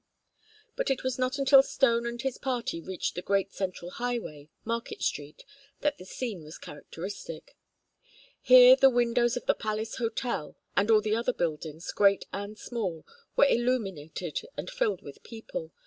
But it was not until Stone and his party reached the great central highway, Market Street, that the scene was characteristic. Here the windows of the Palace Hotel, and all the other buildings, great and small, were illuminated and filled with people.